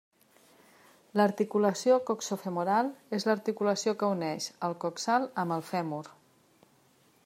L'articulació coxofemoral és l'articulació que uneix el coxal amb el fèmur.